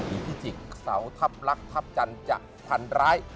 พิจิกษ์เสาทัพลักษณ์ทัพจันทร์จะพันร้าย